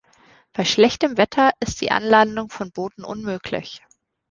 Bei schlechtem Wetter ist die Anlandung von Booten unmöglich.